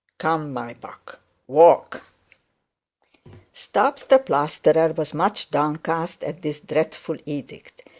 Come, my buck, walk.' Stubbs the plasterer was much downcast at the dreadful edict.